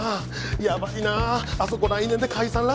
やばいなああそこ来年で解散らしいのに。